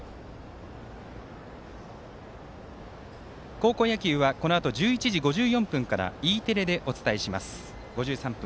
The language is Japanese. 高校野球はこのあと１２時５０分からＥテレでお伝えします。